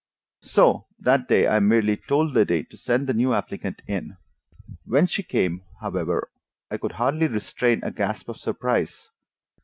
And so that day I merely told Liddy to send the new applicant in. When she came, however, I could hardly restrain a gasp of surprise.